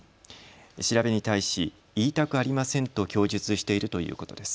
調べに対し言いたくありませんと供述しているということです。